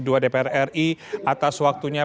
dua dpr ri atas waktunya